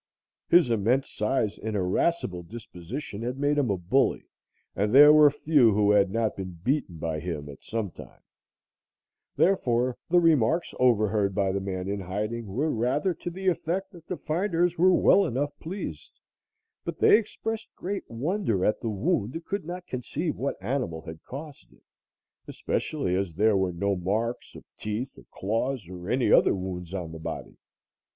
His immense size and irascible disposition had made him a bully, and there were few who had not been beaten by him at some time; therefore, the remarks overheard by the man in hiding were rather to the effect that the finders were well enough pleased, but they expressed great wonder at the wound and could not conceive what animal had caused it, especially as there were no marks of teeth or claws or any other wounds on the body.